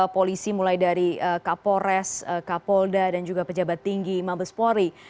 polisi mulai dari kapolres kapolda dan juga pejabat tinggi mabespori